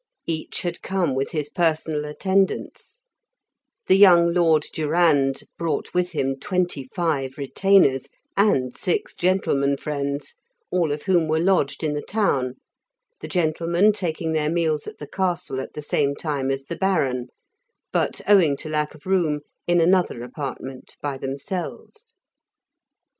Each had come with his personal attendants; the young Lord Durand brought with him twenty five retainers, and six gentlemen friends, all of whom were lodged in the town, the gentlemen taking their meals at the castle at the same time as the Baron, but, owing to lack of room, in another apartment by themselves.